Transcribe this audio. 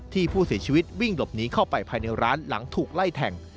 ที่ผู้เสียชีวิตวิ่งหลบหนีเข้าไปภายในร้านหลังถูกไล่แทง